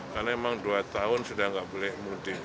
karena emang dua tahun sudah nggak boleh mudik